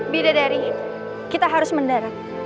bidadari kita harus mendarat